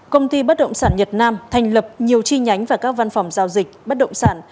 công ty bất động sản nhật nam thành lập nhiều chi nhánh và các văn phòng giao dịch bất động sản